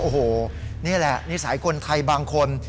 โอ้โหนี่แหละนิสัยคนไทยบางคน